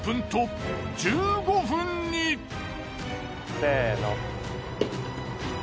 せの。